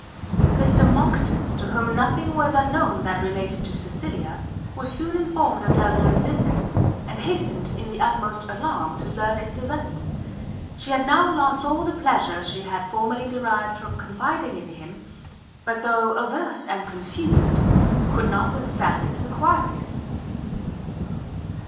Mr Monckton, to whom nothing was unknown that related to Cecilia, was soon informed of Delvile's visit, and hastened in the utmost alarm, to learn its event. She had now lost all the pleasure she had formerly derived from confiding in him, but though averse and confused, could not withstand his enquiries.